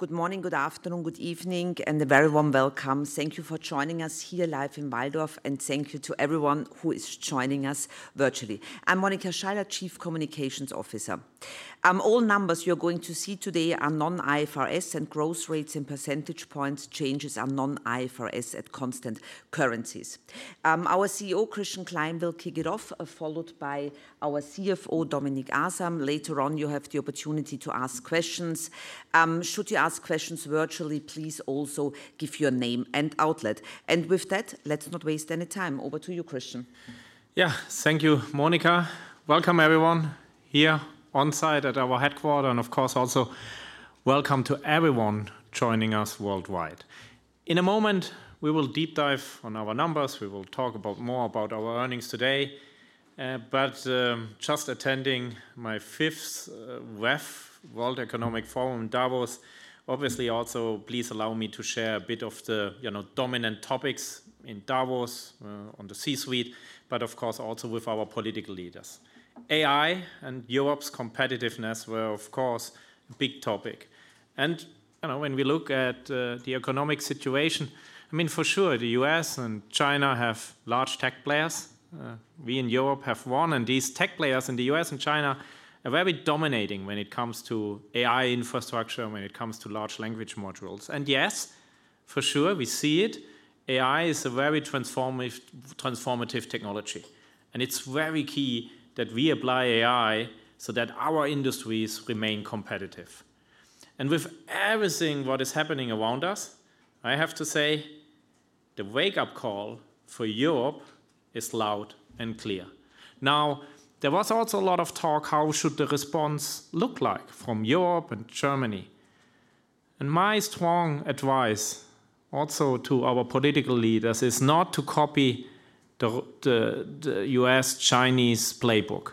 Good morning, good afternoon, good evening, and a very warm welcome. Thank you for joining us here live in Walldorf, and thank you to everyone who is joining us virtually. I'm Monika Schaller, Chief Communications Officer. All numbers you're going to see today are non-IFRS, and growth rates in percentage points changes are non-IFRS at constant currencies. Our CEO, Christian Klein, will kick it off, followed by our CFO, Dominik Asam. Later on, you have the opportunity to ask questions. Should you ask questions virtually, please also give your name and outlet, and with that, let's not waste any time. Over to you, Christian. Yeah, thank you, Monika. Welcome, everyone, here on site at our headquarters, and of course, also welcome to everyone joining us worldwide. In a moment, we will deep dive on our numbers. We will talk more about our earnings today, but just attending my fifth WEF, World Economic Forum, in Davos, obviously, also please allow me to share a bit of the dominant topics in Davos on the C-suite, but of course, also with our political leaders. AI and Europe's competitiveness were, of course, a big topic, and when we look at the economic situation, I mean, for sure, the U.S. and China have large tech players. We in Europe have one, and these tech players in the U.S. and China are very dominating when it comes to AI infrastructure, when it comes to large language models, and yes, for sure, we see it. AI is a very transformative technology, and it's very key that we apply AI so that our industries remain competitive. And with everything what is happening around us, I have to say, the wake-up call for Europe is loud and clear. Now, there was also a lot of talk: how should the response look like from Europe and Germany? And my strong advice also to our political leaders is not to copy the U.S.-Chinese playbook.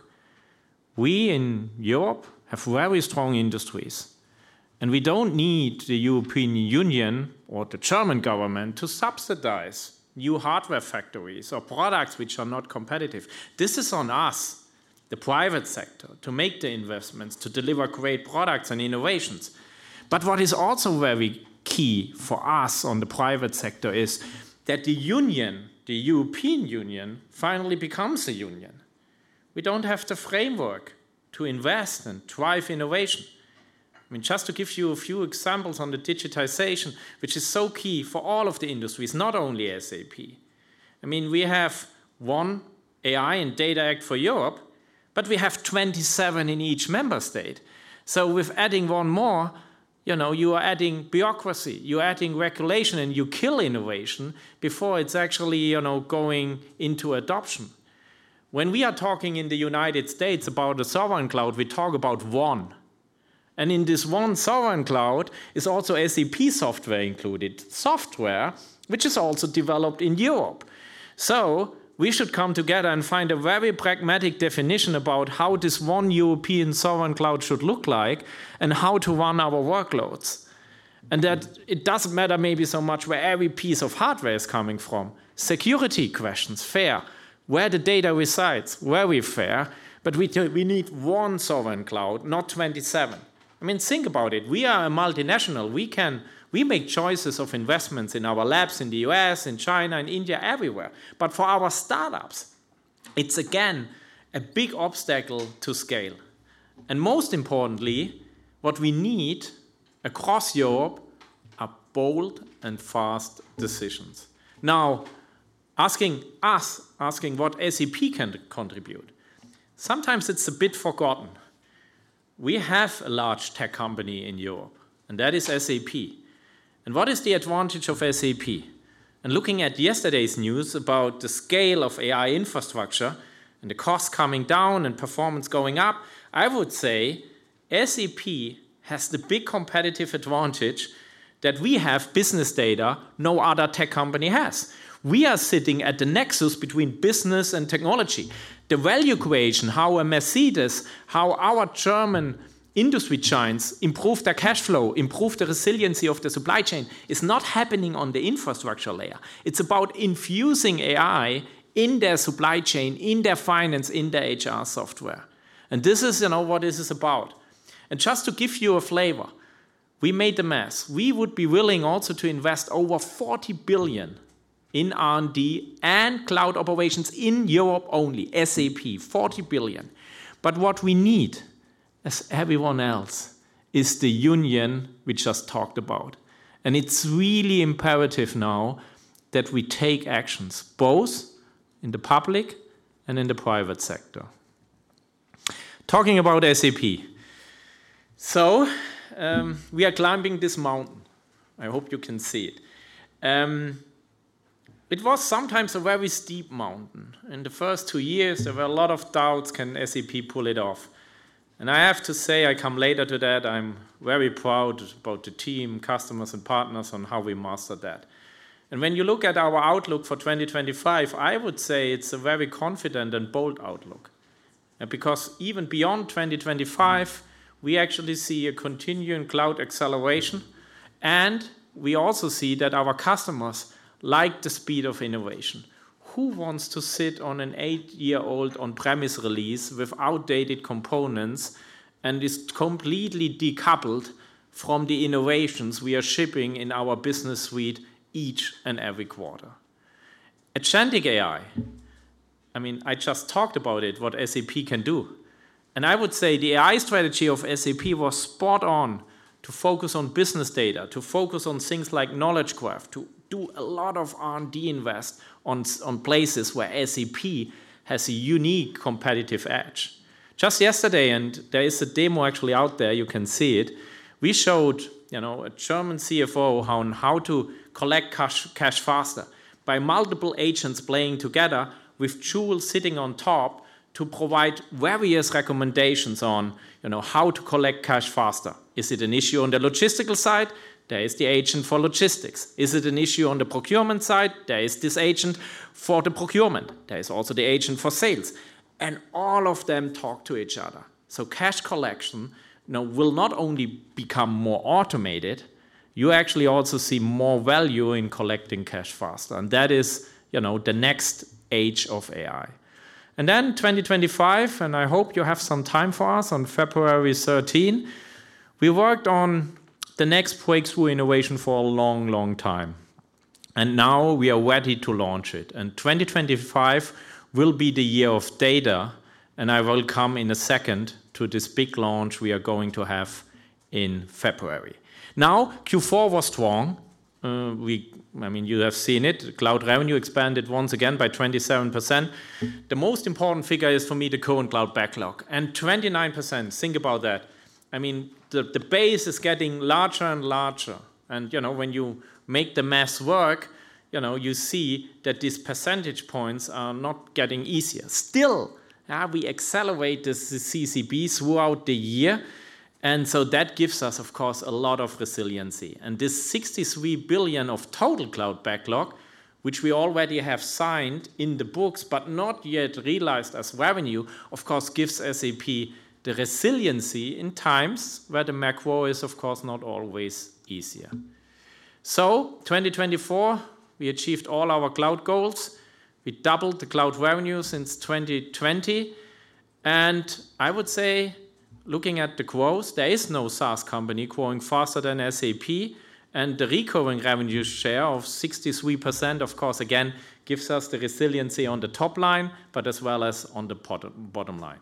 We in Europe have very strong industries, and we don't need the European Union or the German government to subsidize new hardware factories or products which are not competitive. This is on us, the private sector, to make the investments, to deliver great products and innovations. But what is also very key for us on the private sector is that the Union, the European Union, finally becomes a union. We don't have the framework to invest and drive innovation. I mean, just to give you a few examples on the digitization, which is so key for all of the industries, not only SAP. I mean, we have one AI and Data Act for Europe, but we have 27 in each member state. So with adding one more, you are adding bureaucracy, you're adding regulation, and you kill innovation before it's actually going into adoption. When we are talking in the United States about the sovereign cloud, we talk about one. And in this one sovereign cloud is also SAP software included, software which is also developed in Europe. So we should come together and find a very pragmatic definition about how this one European sovereign cloud should look like and how to run our workloads. And that it doesn't matter maybe so much where every piece of hardware is coming from. Security questions, fair, where the data resides, where we're fair, but we need one sovereign cloud, not 27. I mean, think about it. We are a multinational. We make choices of investments in our labs in the U.S., in China, in India, everywhere. But for our startups, it's again a big obstacle to scale. And most importantly, what we need across Europe are bold and fast decisions. Now, asking us, asking what SAP can contribute, sometimes it's a bit forgotten. We have a large tech company in Europe, and that is SAP. And what is the advantage of SAP? Looking at yesterday's news about the scale of AI infrastructure and the cost coming down and performance going up, I would say SAP has the big competitive advantage that we have business data no other tech company has. We are sitting at the nexus between business and technology. The value equation, how Mercedes, how our German industry giants improve their cash flow, improve the resiliency of the supply chain, is not happening on the infrastructure layer. It's about infusing AI in their supply chain, in their finance, in their HR software. This is what this is about. Just to give you a flavor, we made the math. We would be willing also to invest over 40 billion in R&D and cloud operations in Europe only, SAP, 40 billion. But what we need, as everyone else, is the union we just talked about. And it's really imperative now that we take actions both in the public and in the private sector. Talking about SAP, so we are climbing this mountain. I hope you can see it. It was sometimes a very steep mountain. In the first two years, there were a lot of doubts: can SAP pull it off? And I have to say, I come later to that. I'm very proud about the team, customers, and partners on how we mastered that. And when you look at our outlook for 2025, I would say it's a very confident and bold outlook. Because even beyond 2025, we actually see a continuing cloud acceleration, and we also see that our customers like the speed of innovation. Who wants to sit on an eight-year-old on-premise release with outdated components and is completely decoupled from the innovations we are shipping in our business suite each and every quarter? Agentic AI, I mean, I just talked about it, what SAP can do. And I would say the AI strategy of SAP was spot on to focus on business data, to focus on things like knowledge graph, to do a lot of R&D invest on places where SAP has a unique competitive edge. Just yesterday, and there is a demo actually out there, you can see it, we showed a German CFO how to collect cash faster by multiple agents playing together with Joule sitting on top to provide various recommendations on how to collect cash faster. Is it an issue on the logistical side? There is the agent for logistics. Is it an issue on the procurement side? There is this agent for the procurement. There is also the agent for sales, and all of them talk to each other. So cash collection will not only become more automated, you actually also see more value in collecting cash faster, and that is the next age of AI, and then 2025, and I hope you have some time for us on February 13, we worked on the next breakthrough innovation for a long, long time, and now we are ready to launch it, and 2025 will be the year of data, and I will come in a second to this big launch we are going to have in February. Now, Q4 was strong. I mean, you have seen it. Cloud revenue expanded once again by 27%. The most important figure is for me the current cloud backlog, and 29%, think about that. I mean, the base is getting larger and larger. And when you make the math work, you see that these percentage points are not getting easier. Still, we accelerate the CCB throughout the year. And so that gives us, of course, a lot of resiliency. And this 63 billion of total cloud backlog, which we already have signed in the books but not yet realized as revenue, of course, gives SAP the resiliency in times where the macro is, of course, not always easier. So 2024, we achieved all our cloud goals. We doubled the cloud revenue since 2020. And I would say, looking at the growth, there is no SaaS company growing faster than SAP. And the recurring revenue share of 63%, of course, again, gives us the resiliency on the top line, but as well as on the bottom line.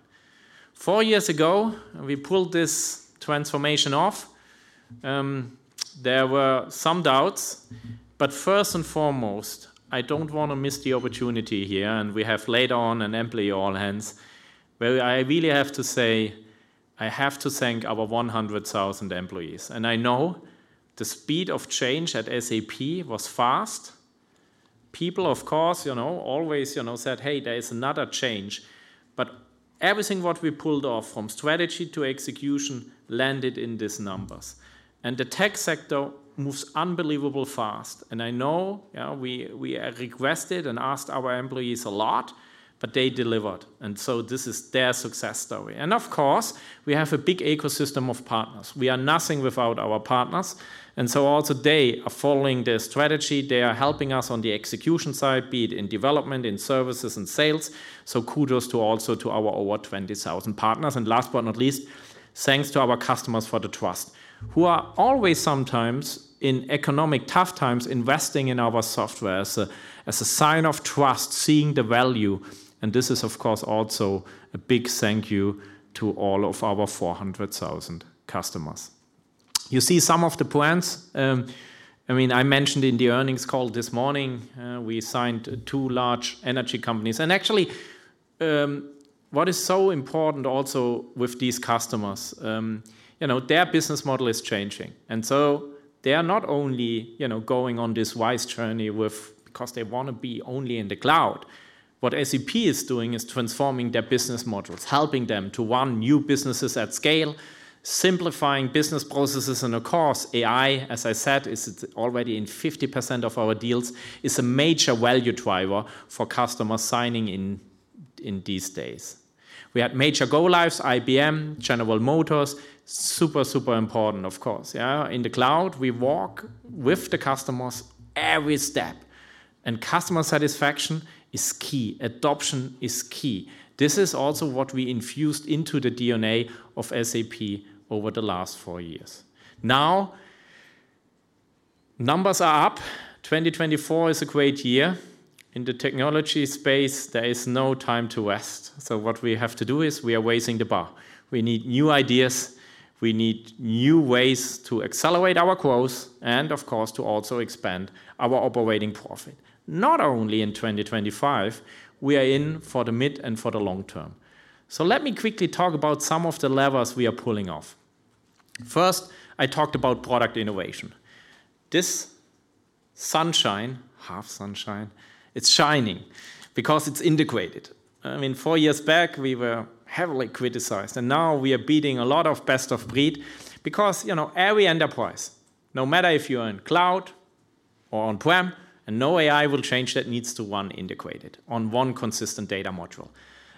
Four years ago, we pulled this transformation off. There were some doubts. But first and foremost, I don't want to miss the opportunity here, and we have held an all-hands, where I really have to say, I have to thank our 100,000 employees. And I know the speed of change at SAP was fast. People, of course, always said, "Hey, there is another change." But everything what we pulled off from strategy to execution landed in these numbers. And the tech sector moves unbelievably fast. And I know we requested and asked our employees a lot, but they delivered. And so this is their success story. And of course, we have a big ecosystem of partners. We are nothing without our partners. And so also they are following their strategy. They are helping us on the execution side, be it in development, in services, in sales. So kudos also to our over 20,000 partners. And last but not least, thanks to our customers for the trust, who are always sometimes in economic tough times investing in our software as a sign of trust, seeing the value. And this is, of course, also a big thank you to all of our 400,000 customers. You see some of the logos. I mean, I mentioned in the earnings call this morning, we signed two large energy companies. And actually, what is so important also with these customers, their business model is changing. And so they are not only going on this RISE journey because they want to be only in the cloud. What SAP is doing is transforming their business models, helping them to run new businesses at scale, simplifying business processes. And of course, AI, as I said, is already in 50% of our deals, is a major value driver for customers signing in these days. We had major go-lives, IBM; General Motors, super, super important, of course. In the cloud, we walk with the customers every step. And customer satisfaction is key. Adoption is key. This is also what we infused into the DNA of SAP over the last four years. Now, numbers are up. 2024 is a great year. In the technology space, there is no time to waste, so what we have to do is we are raising the bar. We need new ideas. We need new ways to accelerate our growth and, of course, to also expand our operating profit. Not only in 2025, we are in for the mid and for the long term, so let me quickly talk about some of the levers we are pulling off. First, I talked about product innovation. This Joule, SAP Joule, it's shining because it's integrated. I mean, four years back, we were heavily criticized. And now we are beating a lot of best-of-breed because every enterprise, no matter if you're in cloud or on-prem, and no AI will change that, needs to run integrated on one consistent data model.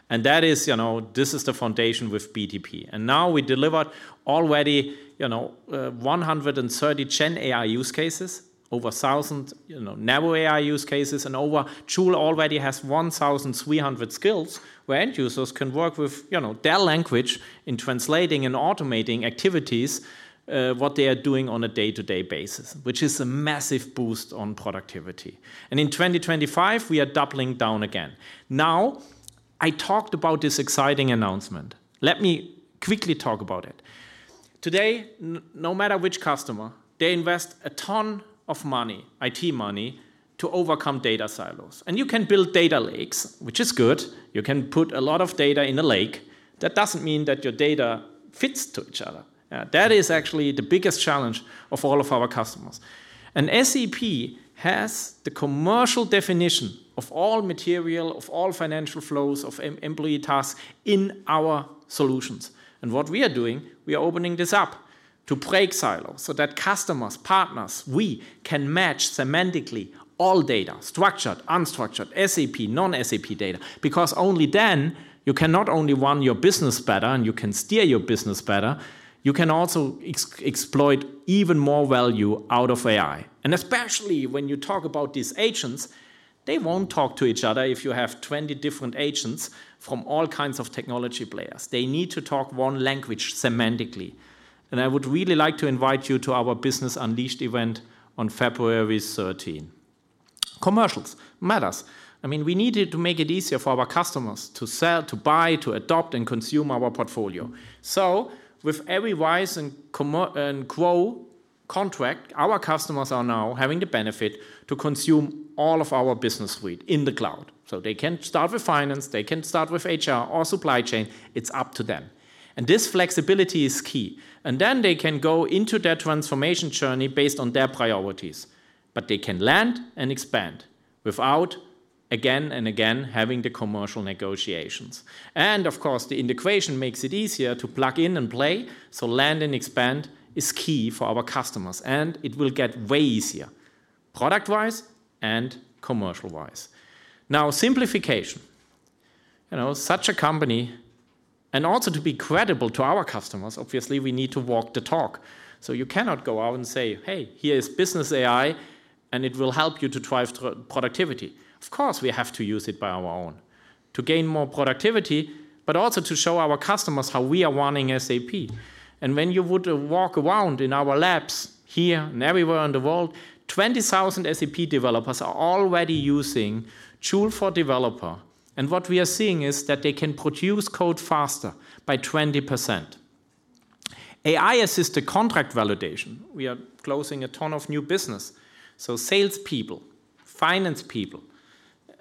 And this is the foundation with BTP. And now we delivered already 130 GenAI use cases, over 1,000 AI use cases. And over, Joule already has 1,300 skills where end users can work with their language in translating and automating activities what they are doing on a day-to-day basis, which is a massive boost on productivity. And in 2025, we are doubling down again. Now, I talked about this exciting announcement. Let me quickly talk about it. Today, no matter which customer, they invest a ton of money, IT money, to overcome data silos. And you can build data lakes, which is good. You can put a lot of data in a lake. That doesn't mean that your data fits to each other. That is actually the biggest challenge of all of our customers, and SAP has the commercial definition of all material, of all financial flows, of employee tasks in our solutions, and what we are doing, we are opening this up to break silos so that customers, partners, we can match semantically all data, structured, unstructured, SAP; non-SAP data. Because only then you can not only run your business better and you can steer your business better, you can also exploit even more value out of AI, and especially when you talk about these agents, they won't talk to each other if you have 20 different agents from all kinds of technology players. They need to talk one language semantically. I would really like to invite you to our Business Unleashed event on February 13. Commercial matters. I mean, we needed to make it easier for our customers to sell, to buy, to adopt, and consume our portfolio. With every RISE and GROW contract, our customers are now having the benefit to consume all of our business suite in the cloud. They can start with finance, they can start with HR or supply chain. It's up to them. This flexibility is key. They can go into their transformation journey based on their priorities. They can land and expand without, again and again, having the commercial negotiations. Of course, the integration makes it easier to plug in and play. Land and expand is key for our customers. It will get way easier product-wise and commercial-wise. Now, simplification. Such a company, and also to be credible to our customers, obviously, we need to walk the talk. So you cannot go out and say, "Hey, here is business AI, and it will help you to drive productivity." Of course, we have to use it by our own to gain more productivity, but also to show our customers how we are running SAP. And when you would walk around in our labs here and everywhere in the world, 20,000 SAP developers are already using Joule for developer. And what we are seeing is that they can produce code faster by 20%. AI-assisted contract validation. We are closing a ton of new business, so salespeople, finance people,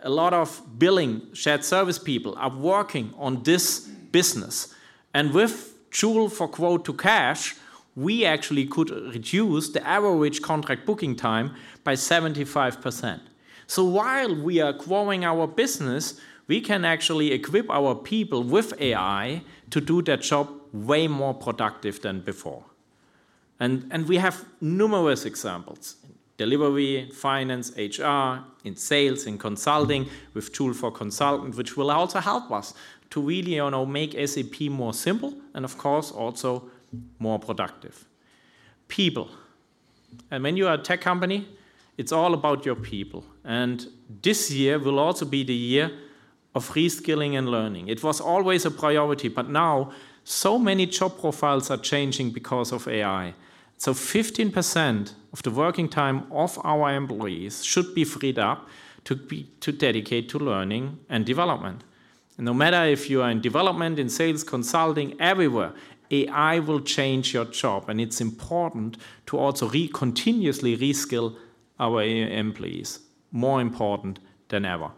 a lot of billing, shared service people are working on this business. And with Joule for quote-to-cash, we actually could reduce the average contract booking time by 75%. So while we are growing our business, we can actually equip our people with AI to do that job way more productive than before. And we have numerous examples in delivery, finance, HR, in sales, in consulting with Joule for consultants, which will also help us to really make SAP more simple and, of course, also more productive. People. And when you are a tech company, it's all about your people. And this year will also be the year of reskilling and learning. It was always a priority, but now so many job profiles are changing because of AI. So 15% of the working time of our employees should be freed up to dedicate to learning and development. No matter if you are in development, in sales, consulting, everywhere, AI will change your job. And it's important to also continuously reskill our employees, more important than ever.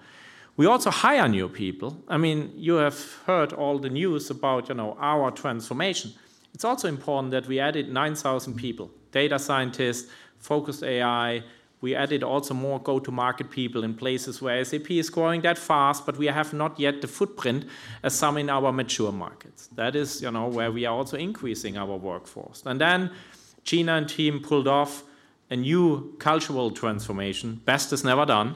We also hire new people. I mean, you have heard all the news about our transformation. It's also important that we added 9,000 people, data scientists, focused AI. We added also more go-to-market people in places where SAP is growing that fast, but we have not yet the footprint as some in our mature markets. That is where we are also increasing our workforce, and then Gina and team pulled off a new cultural transformation, best as never done.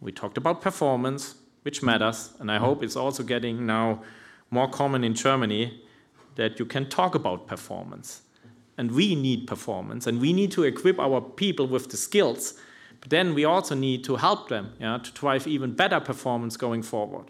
We talked about performance, which matters, and I hope it's also getting now more common in Germany that you can talk about performance, and we need performance, and we need to equip our people with the skills, but then we also need to help them to drive even better performance going forward.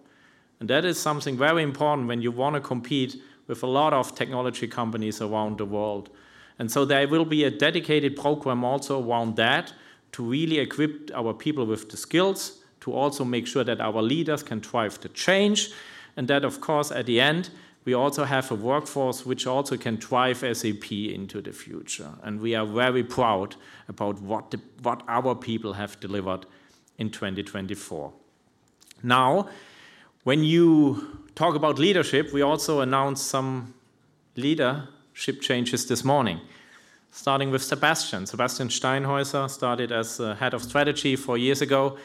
That is something very important when you want to compete with a lot of technology companies around the world. There will be a dedicated program also around that to really equip our people with the skills to also make sure that our leaders can drive the change. That, of course, at the end, we also have a workforce which also can drive SAP into the future. We are very proud about what our people have delivered in 2024. Now, when you talk about leadership, we also announced some leadership changes this morning, starting with Sebastian. Sebastian Steinhaeuser started as head of strategy four years ago.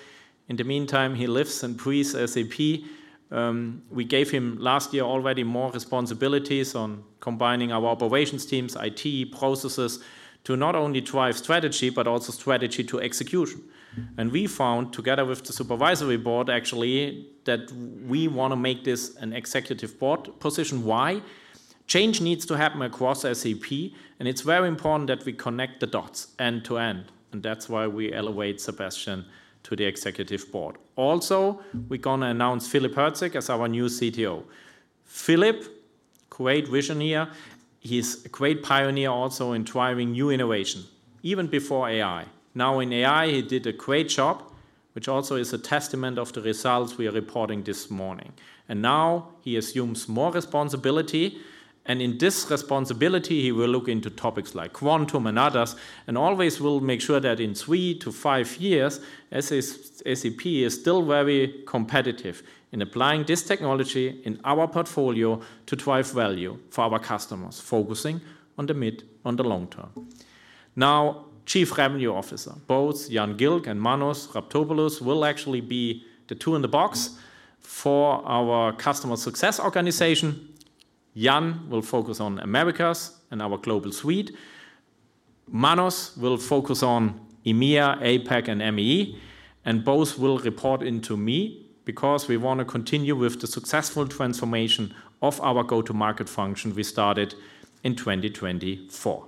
In the meantime, he lives and breathes SAP. We gave him last year already more responsibilities on combining our operations teams, IT, processes to not only drive strategy, but also strategy to execution. We found together with the supervisory board actually that we want to make this an executive board position. Why? Change needs to happen across SAP. And it's very important that we connect the dots end to end. And that's why we elevate Sebastian to the executive board. Also, we're going to announce Philipp Herzig as our new CTO. Philipp, great vision here. He's a great pioneer also in driving new innovation, even before AI. Now in AI, he did a great job, which also is a testament of the results we are reporting this morning. And now he assumes more responsibility. And in this responsibility, he will look into topics like quantum and others. And always will make sure that in three to five years, SAP is still very competitive in applying this technology in our portfolio to drive value for our customers, focusing on the mid and the long term. Now, Chief Revenue Officer, both Jan Gilg and Manos Raptopoulos will actually be the two in the box for our customer success organization. Jan will focus on Americas and our global suite. Manos will focus on EMEA; APAC, and MEE. And both will report into me because we want to continue with the successful transformation of our go-to-market function we started in 2024.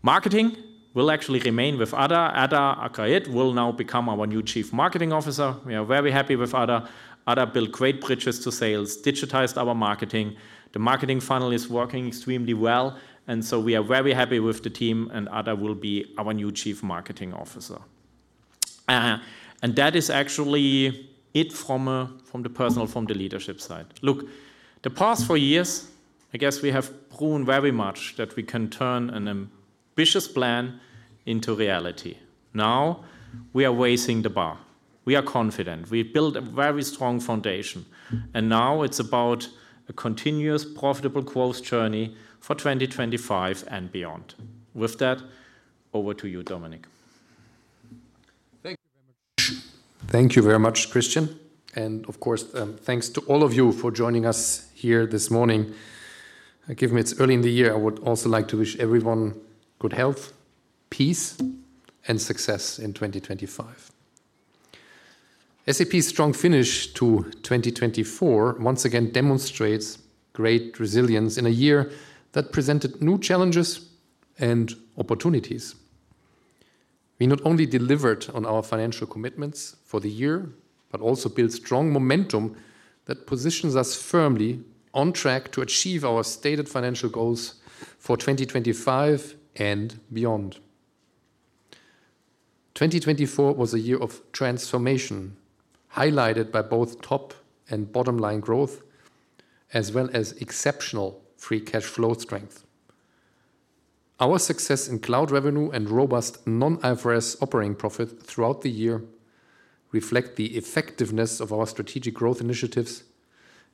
Marketing will actually remain with Ada. Ada Ireton will now become our new Chief Marketing Officer. We are very happy with Ada. Ada built great bridges to sales, digitized our marketing. The marketing funnel is working extremely well. And so we are very happy with the team. Ada will be our new Chief Marketing Officer. That is actually it from the personnel, from the leadership side. Look, the past four years, I guess we have grown very much that we can turn an ambitious plan into reality. Now we are raising the bar. We are confident. We built a very strong foundation. Now it's about a continuous profitable growth journey for 2025 and beyond. With that, over to you, Dominik. Thank you very much. Thank you very much, Christian. Of course, thanks to all of you for joining us here this morning. Given it's early in the year, I would also like to wish everyone good health, peace, and success in 2025. SAP's strong finish to 2024 once again demonstrates great resilience in a year that presented new challenges and opportunities. We not only delivered on our financial commitments for the year, but also built strong momentum that positions us firmly on track to achieve our stated financial goals for 2025 and beyond. 2024 was a year of transformation highlighted by both top and bottom line growth, as well as exceptional free cash flow strength. Our success in cloud revenue and robust non-IFRS operating profit throughout the year reflect the effectiveness of our strategic growth initiatives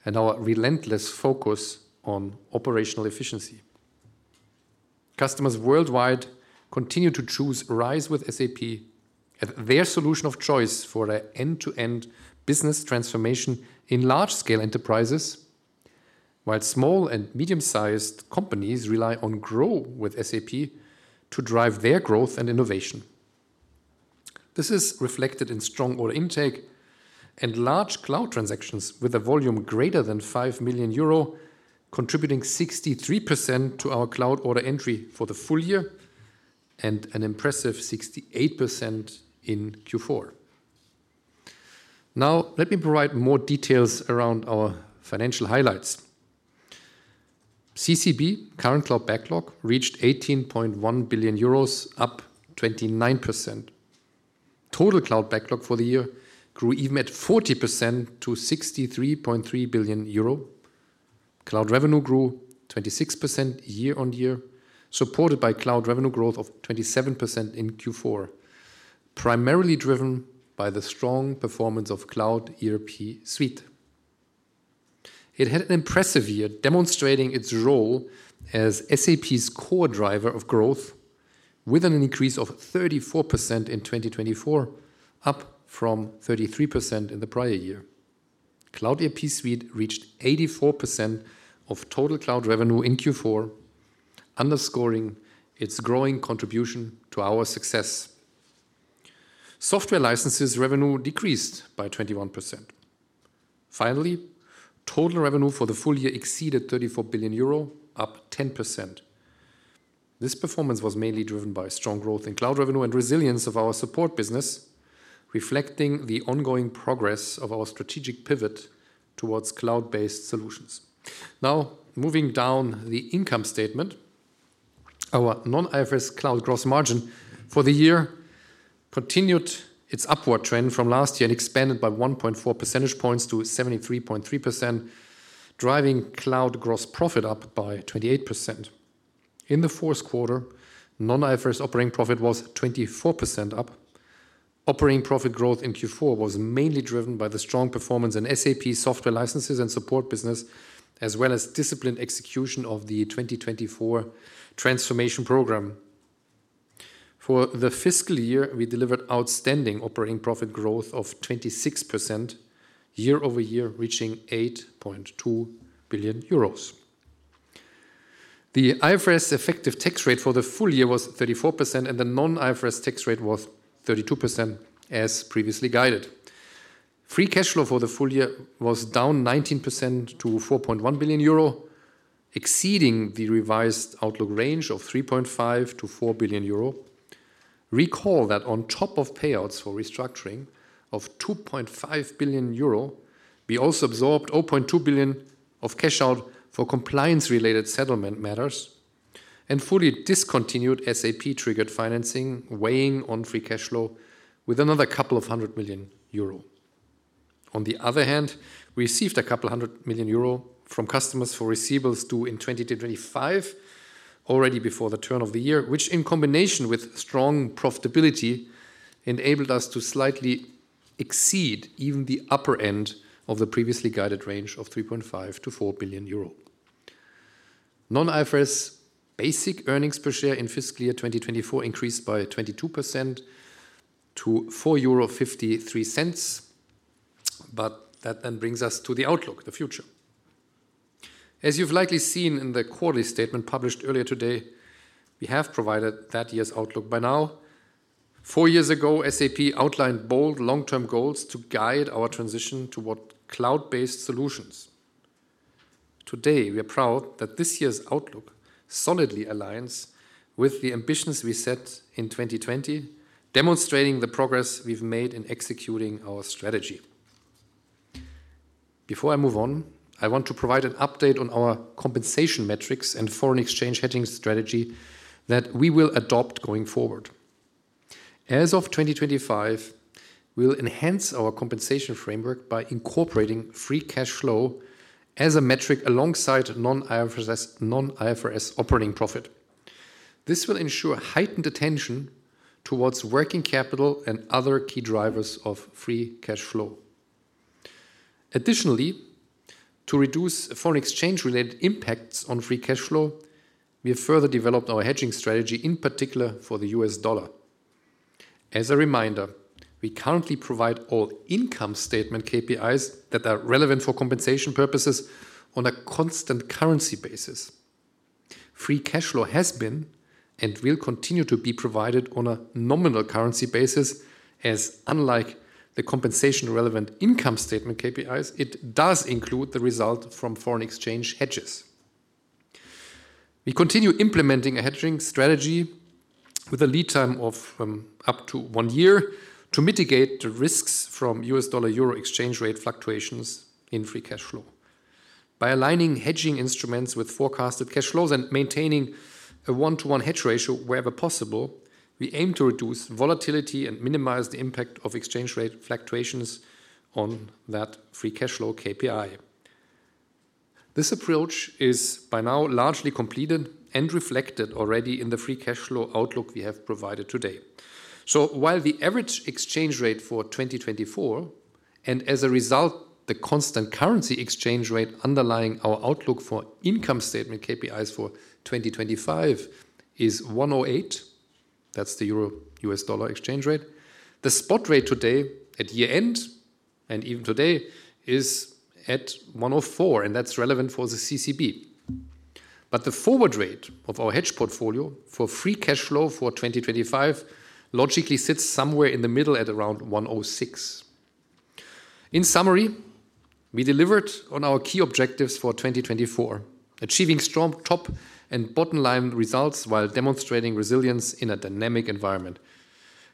and our relentless focus on operational efficiency. Customers worldwide continue to choose RISE with SAP as their solution of choice for an end-to-end business transformation in large-scale enterprises, while small and medium-sized companies rely on GROW with SAP to drive their growth and innovation. This is reflected in strong order intake and large cloud transactions with a volume greater than 5 million euro, contributing 63% to our cloud order entry for the full year and an impressive 68% in Q4. Now, let me provide more details around our financial highlights. CCB, current cloud backlog, reached 18.1 billion euros, up 29%. Total cloud backlog for the year grew even at 40% to 63.3 billion euro. Cloud revenue grew 26% year on year, supported by cloud revenue growth of 27% in Q4, primarily driven by the strong performance of Cloud ERP Suite. It had an impressive year, demonstrating its role as SAP's core driver of growth, with an increase of 34% in 2024, up from 33% in the prior year. Cloud ERP Suite reached 84% of total cloud revenue in Q4, underscoring its growing contribution to our success. Software licenses revenue decreased by 21%. Finally, total revenue for the full year exceeded €34 billion, up 10%. This performance was mainly driven by strong growth in cloud revenue and resilience of our support business, reflecting the ongoing progress of our strategic pivot towards cloud-based solutions. Now, moving down the income statement, our non-IFRS cloud gross margin for the year continued its upward trend from last year and expanded by 1.4 percentage points to 73.3%, driving cloud gross profit up by 28%. In the fourth quarter, non-IFRS operating profit was 24% up. Operating profit growth in Q4 was mainly driven by the strong performance in SAP software licenses and support business, as well as disciplined execution of the 2024 transformation program. For the fiscal year, we delivered outstanding operating profit growth of 26% year over year, reaching €8.2 billion. The IFRS effective tax rate for the full year was 34%, and the non-IFRS tax rate was 32%, as previously guided. Free cash flow for the full year was down 19% to 4.1 billion euro, exceeding the revised outlook range of 3.5-4 billion euro. Recall that on top of payouts for restructuring of 2.5 billion euro, we also absorbed 0.2 billion of cash out for compliance-related settlement matters and fully discontinued SAP-triggered financing weighing on free cash flow with another couple of hundred million EUR. On the other hand, we received a couple of hundred million EUR from customers for receivables due in 2025, already before the turn of the year, which, in combination with strong profitability, enabled us to slightly exceed even the upper end of the previously guided range of 3.5-4 billion euro. Non-IFRS basic earnings per share in fiscal year 2024 increased by 22% to 4.53 euro. But that then brings us to the outlook, the future. As you've likely seen in the quarterly statement published earlier today, we have provided that year's outlook by now. Four years ago, SAP outlined bold long-term goals to guide our transition toward cloud-based solutions. Today, we are proud that this year's outlook solidly aligns with the ambitions we set in 2020, demonstrating the progress we've made in executing our strategy. Before I move on, I want to provide an update on our compensation metrics and foreign exchange hedging strategy that we will adopt going forward. As of 2025, we will enhance our compensation framework by incorporating free cash flow as a metric alongside Non-IFRS operating profit. This will ensure heightened attention towards working capital and other key drivers of free cash flow. Additionally, to reduce foreign exchange-related impacts on free cash flow, we have further developed our hedging strategy, in particular for the U.S. dollar. As a reminder, we currently provide all income statement KPIs that are relevant for compensation purposes on a constant currency basis. Free cash flow has been and will continue to be provided on a nominal currency basis, as unlike the compensation-relevant income statement KPIs, it does include the result from foreign exchange hedges. We continue implementing a hedging strategy with a lead time of up to one year to mitigate the risks from U.S. dollar-Euro exchange rate fluctuations in free cash flow. By aligning hedging instruments with forecasted cash flows and maintaining a one-to-one hedge ratio wherever possible, we aim to reduce volatility and minimize the impact of exchange rate fluctuations on that free cash flow KPI. This approach is by now largely completed and reflected already in the free cash flow outlook we have provided today. So while the average exchange rate for 2024, and as a result, the constant currency exchange rate underlying our outlook for income statement KPIs for 2025 is 108, that's the EUR U.S. dollar exchange rate, the spot rate today at year-end and even today is at 104, and that's relevant for the CCB. But the forward rate of our hedge portfolio for free cash flow for 2025 logically sits somewhere in the middle at around 106. In summary, we delivered on our key objectives for 2024, achieving strong top and bottom line results while demonstrating resilience in a dynamic environment.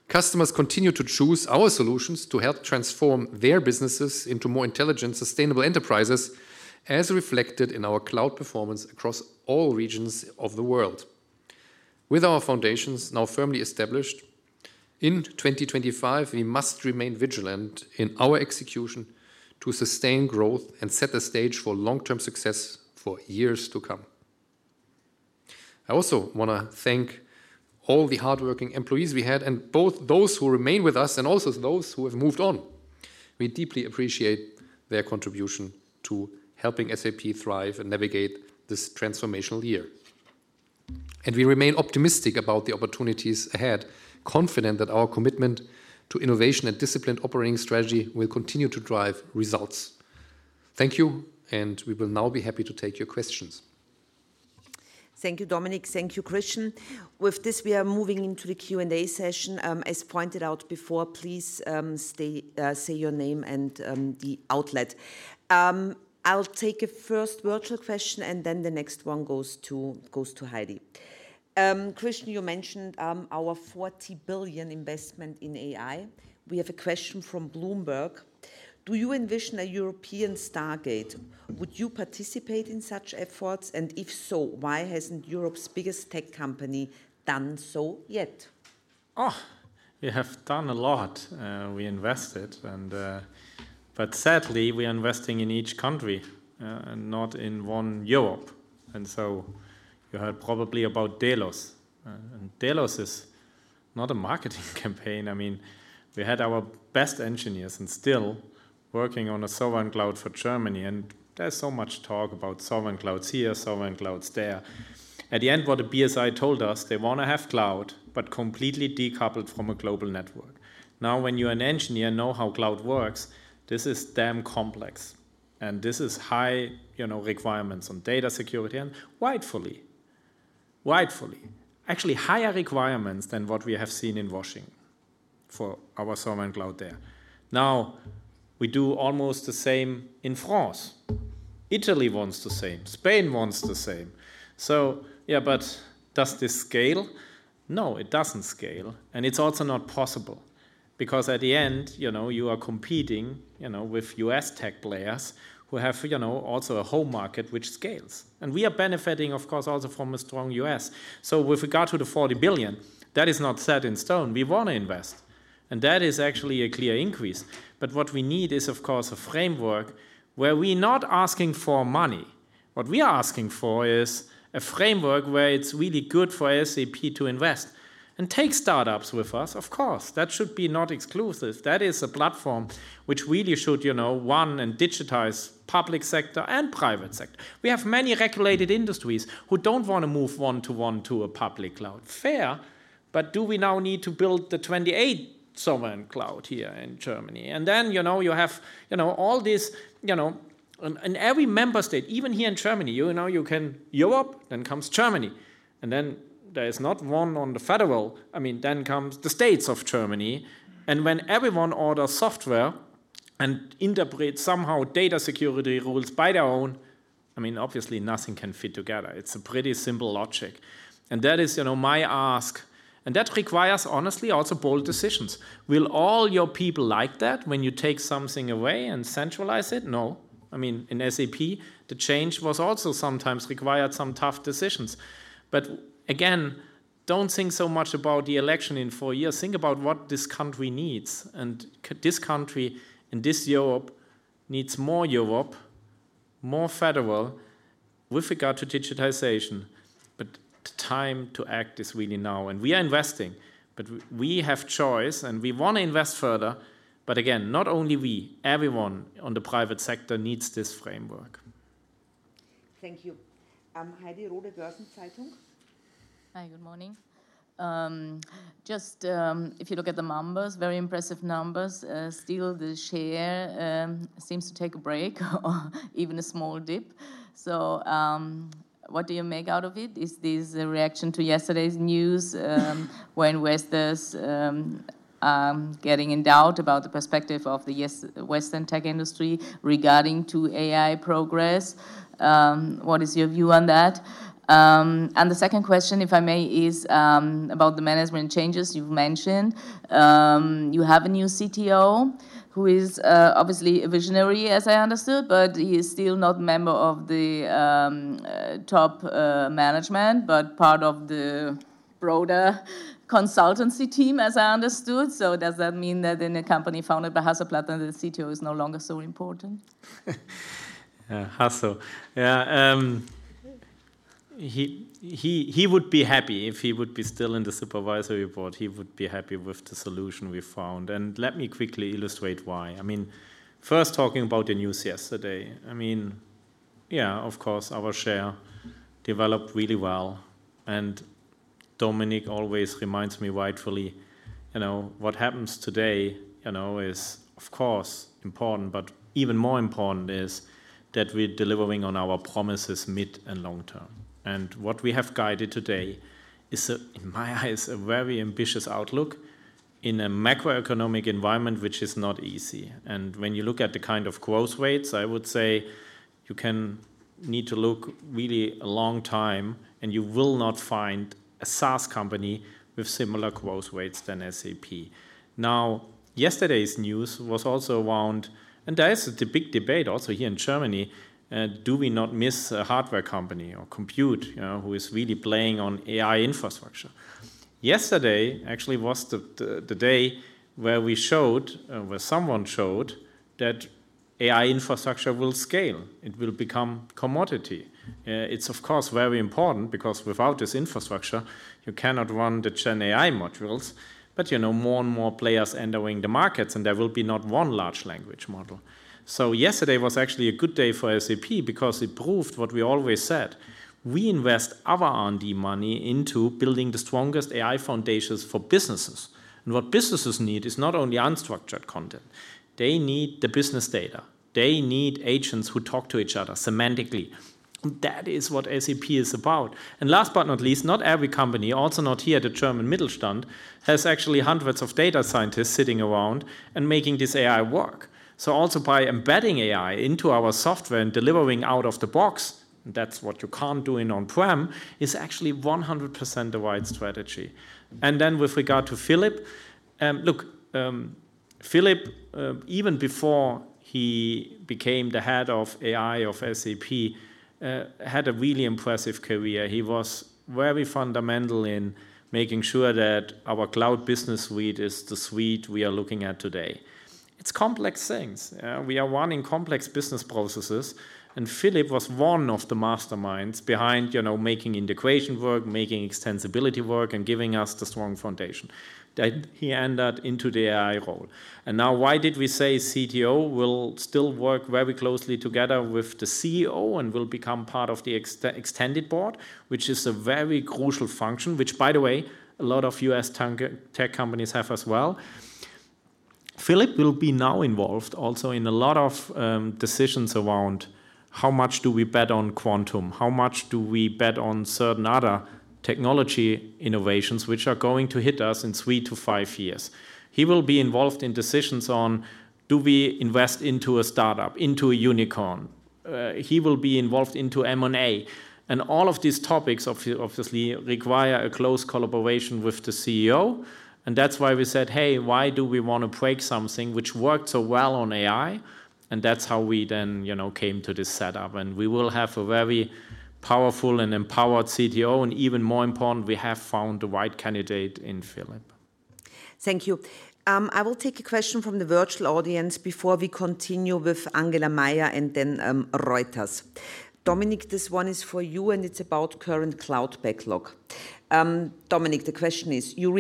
Customers continue to choose our solutions to help transform their businesses into more intelligent, sustainable enterprises, as reflected in our cloud performance across all regions of the world. With our foundations now firmly established, in 2025, we must remain vigilant in our execution to sustain growth and set the stage for long-term success for years to come. I also want to thank all the hardworking employees we had, and both those who remain with us and also those who have moved on. We deeply appreciate their contribution to helping SAP thrive and navigate this transformational year. And we remain optimistic about the opportunities ahead, confident that our commitment to innovation and disciplined operating strategy will continue to drive results. Thank you, and we will now be happy to take your questions. Thank you, Dominik. Thank you, Christian. With this, we are moving into the Q&A session. As pointed out before, please say your name and the outlet. I'll take a first virtual question, and then the next one goes to Heidi. Christian, you mentioned our 40 billion investment in AI. We have a question from Bloomberg. Do you envision a European Stargate? Would you participate in such efforts? And if so, why hasn't Europe's biggest tech company done so yet? Oh, we have done a lot. We invested, but sadly, we are investing in each country and not in one Europe, and so you heard probably about Delos. And Delos is not a marketing campaign. I mean, we had our best engineers and still working on a sovereign cloud for Germany. And there's so much talk about sovereign clouds here, sovereign clouds there. At the end, what the BSI told us, they want to have cloud, but completely decoupled from a global network. Now, when you're an engineer, know how cloud works, this is damn complex. And this is high requirements on data security and rightfully, rightfully, actually higher requirements than what we have seen in Washington for our sovereign cloud there. Now, we do almost the same in France. Italy wants the same. Spain wants the same. So yeah, but does this scale? No, it doesn't scale. And it's also not possible because at the end, you are competing with U.S. tech players who have also a home market which scales. And we are benefiting, of course, also from a strong U.S. So with regard to the 40 billion, that is not set in stone. We want to invest. And that is actually a clear increase. But what we need is, of course, a framework where we are not asking for money. What we are asking for is a framework where it's really good for SAP to invest and take startups with us. Of course, that should be not exclusive. That is a platform which really should run and digitize public sector and private sector. We have many regulated industries who don't want to move one-to-one to a public cloud. Fair, but do we now need to build the 28 sovereign clouds here in Germany? And then you have all this in every member state, even here in Germany. In Europe, then comes Germany. And then there is not one on the federal. I mean, then comes the states of Germany. And when everyone orders software and interprets somehow data security rules by their own, I mean, obviously, nothing can fit together. It's a pretty simple logic. And that is my ask. And that requires, honestly, also bold decisions. Will all your people like that when you take something away and centralize it? No. I mean, in SAP, the change was also sometimes required some tough decisions. But again, don't think so much about the election in four years. Think about what this country needs. This country and this Europe needs more Europe, more federal with regard to digitization. The time to act is really now. We are investing, but we have choice, and we want to invest further. Again, not only we, everyone in the private sector needs this framework. Thank you. Heidi Rohde, Börsen-Zeitung. Hi, good morning. Just if you look at the numbers, very impressive numbers. Still, the share seems to take a break, even a small dip. So what do you make out of it? Is this a reaction to yesterday's news when Western investors are getting in doubt about the perspective of the Western tech industry regarding AI progress? What is your view on that? The second question, if I may, is about the management changes you've mentioned. You have a new CTO who is obviously a visionary, as I understood, but he is still not a member of the top management, but part of the broader consultancy team, as I understood. So does that mean that in a company founded by Hasso Plattner, the CTO is no longer so important? Hasso, yeah. He would be happy if he would be still in the supervisory board. He would be happy with the solution we found. Let me quickly illustrate why. I mean, first, talking about the news yesterday, I mean, yeah, of course, our share developed really well. And Dominik always reminds me rightfully, what happens today is, of course, important, but even more important is that we're delivering on our promises mid and long term. What we have guided today is, in my eyes, a very ambitious outlook in a macroeconomic environment, which is not easy. When you look at the kind of growth rates, I would say you can need to look really a long time, and you will not find a SaaS company with similar growth rates than SAP. Now, yesterday's news was also around, and there is a big debate also here in Germany, do we not miss a hardware company or compute who is really playing on AI infrastructure? Yesterday actually was the day where we showed, where someone showed that AI infrastructure will scale. It will become commodity. It's, of course, very important because without this infrastructure, you cannot run the GenAI modules. But more and more players are entering the markets, and there will be not one large language model. So yesterday was actually a good day for SAP because it proved what we always said. We invest our R&D money into building the strongest AI foundations for businesses. And what businesses need is not only unstructured content. They need the business data. They need agents who talk to each other semantically. And that is what SAP is about. And last but not least, not every company, also not here at the German Mittelstand, has actually hundreds of data scientists sitting around and making this AI work. So also by embedding AI into our software and delivering out of the box, and that's what you can't do in on-prem, is actually 100% the right strategy. And then with regard to Philipp, look, Philipp, even before he became the head of AI of SAP, had a really impressive career. He was very fundamental in making sure that our cloud business suite is the suite we are looking at today. It's complex things. We are running complex business processes. And Philipp was one of the masterminds behind making integration work, making extensibility work, and giving us the strong foundation. He ended up in the AI role. And now, why did we say CTO will still work very closely together with the CEO and will become part of the extended board, which is a very crucial function, which, by the way, a lot of U.S. tech companies have as well. Philipp will be now involved also in a lot of decisions around how much do we bet on quantum, how much do we bet on certain other technology innovations which are going to hit us in three to five years. He will be involved in decisions on do we invest into a startup, into a unicorn. He will be involved into M&A. And all of these topics, obviously, require a close collaboration with the CEO. And that's why we said, hey, why do we want to break something which worked so well on AI? And that's how we then came to this setup. And we will have a very powerful and empowered CTO. And even more important, we have found the right candidate in Philipp. Thank you. I will take a question from the virtual audience before we continue with Angela Maier and then Reuters. Dominik, this one is for you, and it's about current cloud backlog. Dominik, the question is, your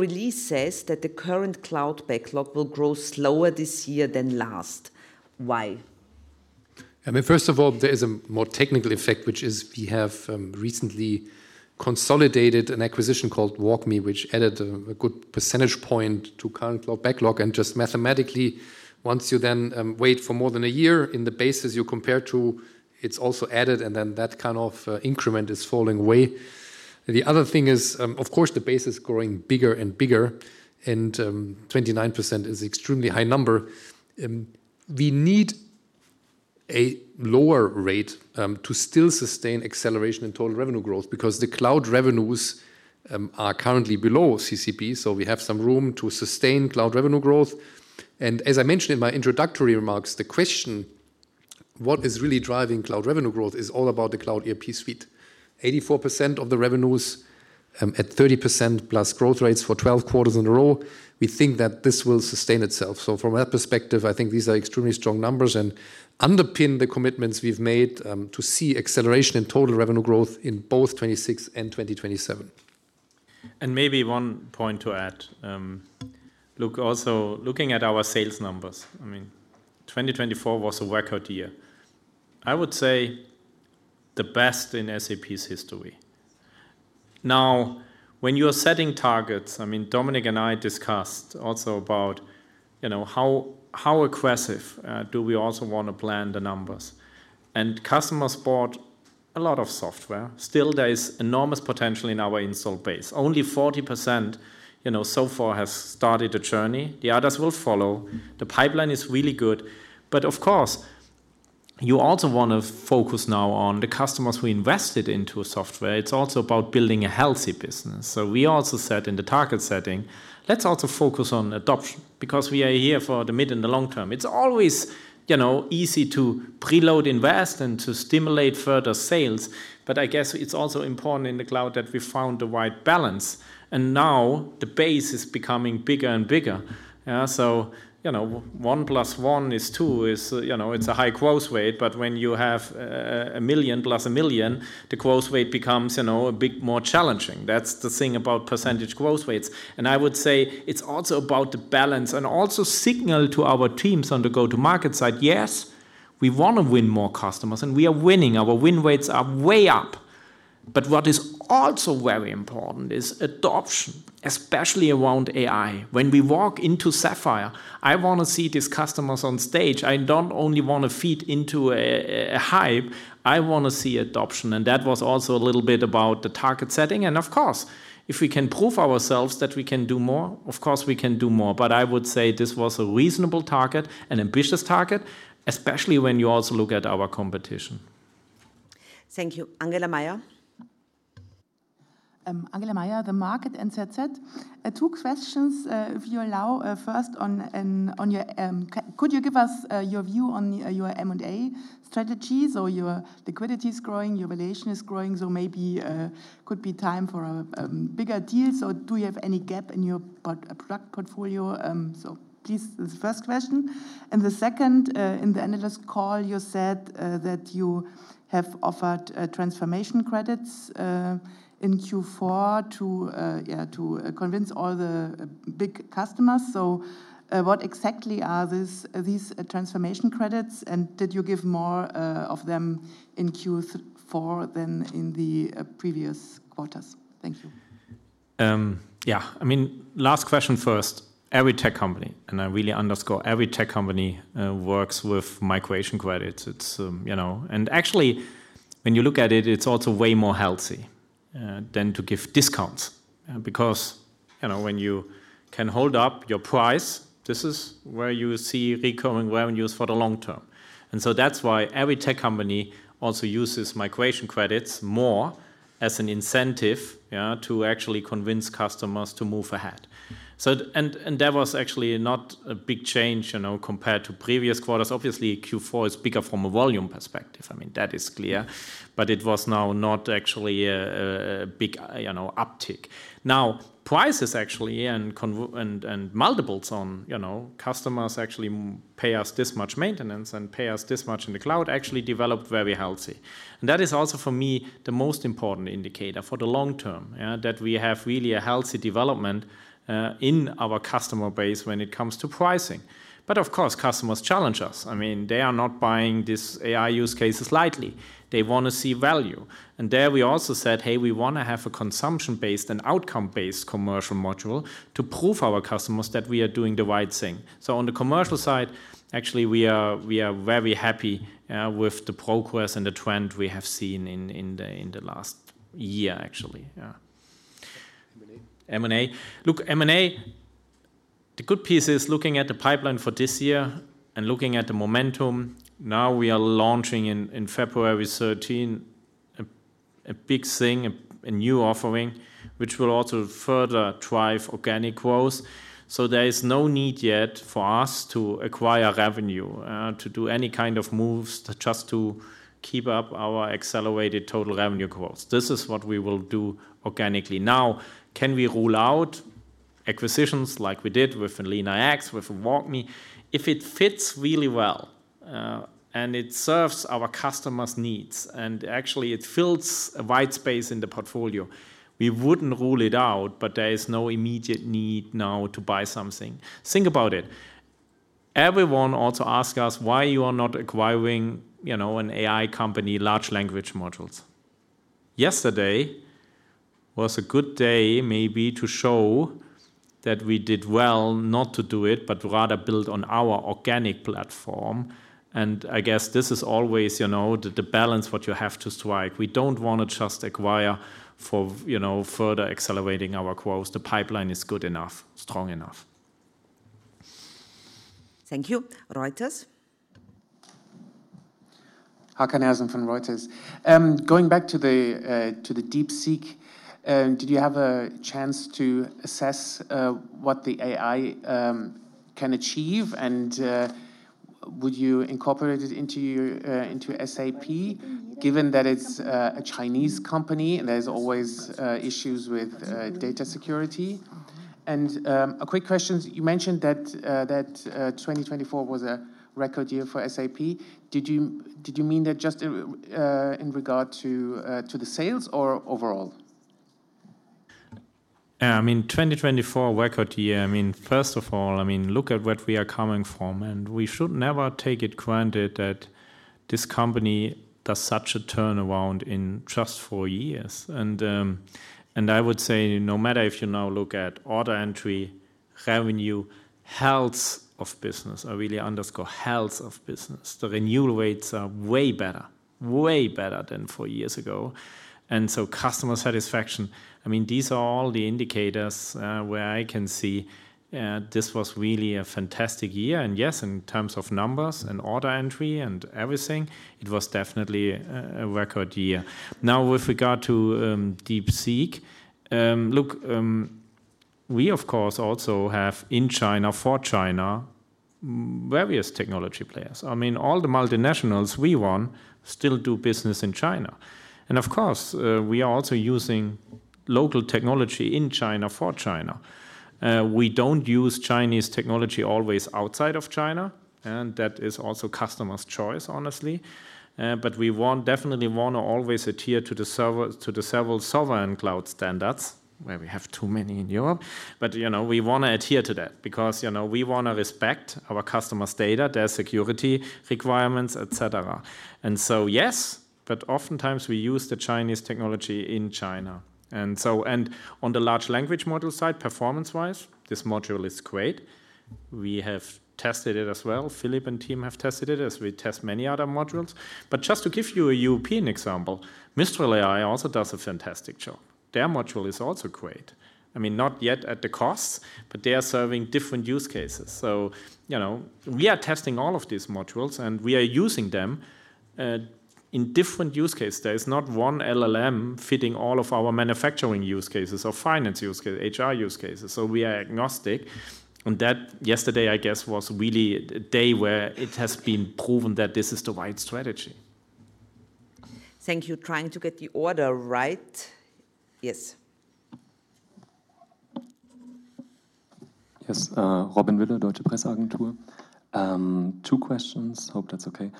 release says that the current cloud backlog will grow slower this year than last. Why? I mean, first of all, there is a more technical effect, which is we have recently consolidated an acquisition called WalkMe, which added a good percentage point to current cloud backlog, and just mathematically, once you then wait for more than a year in the basis you compare to, it's also added, and then that kind of increment is falling away. The other thing is, of course, the base is growing bigger and bigger, and 29% is an extremely high number. We need a lower rate to still sustain acceleration in total revenue growth because the cloud revenues are currently below CCB, so we have some room to sustain cloud revenue growth, and as I mentioned in my introductory remarks, the question, what is really driving cloud revenue growth, is all about the cloud ERP suite. 84% of the revenues at 30%+ growth rates for 12 quarters in a row. We think that this will sustain itself. So from that perspective, I think these are extremely strong numbers and underpin the commitments we've made to see acceleration in total revenue growth in both 2026 and 2027. And maybe one point to add. Look, also looking at our sales numbers, I mean, 2024 was a record year. I would say the best in SAP's history. Now, when you are setting targets, I mean, Dominik and I discussed also about how aggressive do we also want to blend the numbers. And customers bought a lot of software. Still, there is enormous potential in our installed base. Only 40% so far has started the journey. The others will follow. The pipeline is really good. But of course, you also want to focus now on the customers who invested into software. It's also about building a healthy business. So we also said in the target setting, let's also focus on adoption because we are here for the mid and the long term. It's always easy to preload invest and to stimulate further sales. But I guess it's also important in the cloud that we found the right balance. And now the base is becoming bigger and bigger. So one plus one is two. It's a high growth rate. But when you have a million plus a million, the growth rate becomes a bit more challenging. That's the thing about percentage growth rates. And I would say it's also about the balance and also signal to our teams on the go-to-market side. Yes, we want to win more customers, and we are winning. Our win rates are way up. But what is also very important is adoption, especially around AI. When we walk into Sapphire, I want to see these customers on stage. I don't only want to feed into a hype. I want to see adoption. And that was also a little bit about the target setting. And of course, if we can prove ourselves that we can do more, of course, we can do more. But I would say this was a reasonable target, an ambitious target, especially when you also look at our competition. Thank you. Angela Maier. Angela Maier, The market and NZZ. Two questions, if you allow. First, could you give us your view on your M&A strategy? So your liquidity is growing, your leverage is growing. So maybe it could be time for a bigger deal. So do you have any gap in your product portfolio? So please, the first question. And the second, in the analyst call, you said that you have offered transformation credits in Q4 to convince all the big customers. So what exactly are these transformation credits? And did you give more of them in Q4 than in the previous quarters? Thank you. Yeah. I mean, last question first. Every tech company, and I really underscore every tech company, works with migration credits. And actually, when you look at it, it's also way more healthy than to give discounts. Because when you can hold up your price, this is where you see recurring revenues for the long term. And so that's why every tech company also uses migration credits more as an incentive to actually convince customers to move ahead. And that was actually not a big change compared to previous quarters. Obviously, Q4 is bigger from a volume perspective. I mean, that is clear, but it was now not actually a big uptick. Now, prices actually and multiples on customers actually pay us this much maintenance and pay us this much in the cloud actually developed very healthy, and that is also, for me, the most important indicator for the long term that we have really a healthy development in our customer base when it comes to pricing, but of course, customers challenge us. I mean, they are not buying this AI use case blindly. They want to see value. And there we also said, hey, we want to have a consumption-based and outcome-based commercial model to prove to our customers that we are doing the right thing, so on the commercial side, actually, we are very happy with the progress and the trend we have seen in the last year, actually. M&A. M&A. Look, M&A, the good piece is looking at the pipeline for this year and looking at the momentum. Now we are launching in February 13, a big thing, a new offering, which will also further drive organic growth. So there is no need yet for us to acquire revenue, to do any kind of moves just to keep up our accelerated total revenue growth. This is what we will do organically. Now, can we rule out acquisitions like we did with LeanIX; WalkMe? If it fits really well and it serves our customers' needs and actually it fills a white space in the portfolio, we wouldn't rule it out, but there is no immediate need now to buy something. Think about it. Everyone also asks us, why you are not acquiring an AI company, large language models? Yesterday was a good day, maybe to show that we did well not to do it, but rather build on our organic platform. And I guess this is always the balance what you have to strike. We don't want to just acquire for further accelerating our growth. The pipeline is good enough, strong enough. Thank you. Reuters. Hakan Ersen from Reuters. Going back to DeepSeek, did you have a chance to assess what the AI can achieve? And would you incorporate it into SAP given that it's a Chinese company and there's always issues with data security? And a quick question. You mentioned that 2024 was a record year for SAP. Did you mean that just in regard to the sales or overall? I mean, 2024 record year, I mean, first of all, I mean, look at what we are coming from. We should never take it for granted that this company does such a turnaround in just four years. I would say no matter if you now look at order entry, revenue, health of business (I really underscore health of business), the renewal rates are way better, way better than four years ago, and so customer satisfaction. I mean, these are all the indicators where I can see this was really a fantastic year. Yes, in terms of numbers and order entry and everything, it was definitely a record year. Now, with regard to DeepSeek, look, we, of course, also have in China, for China, various technology players. I mean, all the multinationals we run still do business in China. Of course, we are also using local technology in China, for China. We don't use Chinese technology always outside of China. And that is also customer's choice, honestly. But we definitely want to always adhere to the several sovereign cloud standards where we have too many in Europe. But we want to adhere to that because we want to respect our customers' data, their security requirements, etc. And so yes, but oftentimes we use the Chinese technology in China. And on the large language model side, performance-wise, this module is great. We have tested it as well. Philipp and team have tested it as we test many other modules. But just to give you a European example, Mistral AI also does a fantastic job. Their module is also great. I mean, not yet at the costs, but they are serving different use cases. So we are testing all of these modules, and we are using them in different use cases. There is not one LLM fitting all of our manufacturing use cases or finance use cases, HR use cases. So we are agnostic. And that yesterday, I guess, was really a day where it has been proven that this is the right strategy. Thank you. Trying to get the order right. Yes. Yes. Robin Wille, Deutsche Presse-Agentur. Two questions. Hope that's okay.